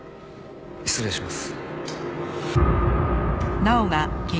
失礼します。